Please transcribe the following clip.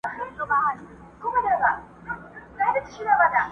چي مي ویني خلګ هر ځای کوي ډېر مي احترام .